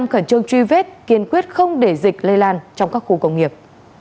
khẩn trương truy vết kiên quyết không để dịch lây lan trong các khu công nghiệp